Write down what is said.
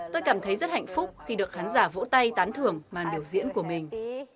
tôi cảm thấy rất hạnh phúc khi được khán giả vỗ tay tán thưởng màn biểu diễn của mình